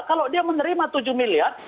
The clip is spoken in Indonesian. kalau dia menerima tujuh miliar